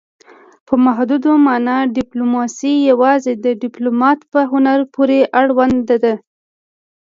په محدوده مانا ډیپلوماسي یوازې د ډیپلومات په هنر پورې اړوند ده